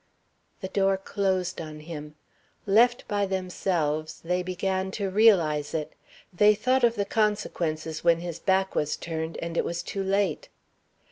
The door closed on him. Left by themselves, they began to realize it. They thought of the consequences when his back was turned and it was too late.